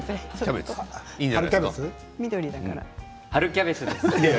春キャベツです。